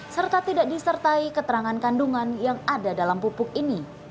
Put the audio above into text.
serta tidak disertai keterangan kandungan yang ada dalam pupuk ini